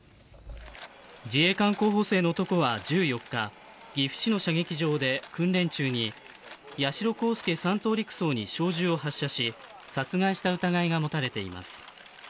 自衛官候補生の男は１４日岐阜市の射撃場で訓練中に八代航佑３等陸曹に小銃を発射し殺害した疑いが持たれています。